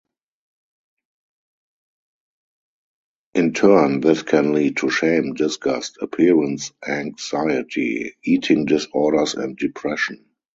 In turn, this can lead to shame, disgust, appearance anxiety, eating disorders and depression.